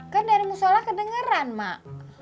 kan dari musola kedengeran mak